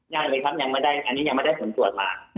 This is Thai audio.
ยังเลยครับยังไม่ได้อันนี้ยังไม่ได้ผลตรวจมา